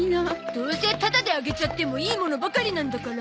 どうせタダであげちゃってもいいものばかりなんだから。